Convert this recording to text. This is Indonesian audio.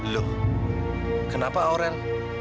loh kenapa aurel